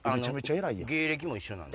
芸歴も一緒なんで。